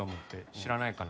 知らないかな？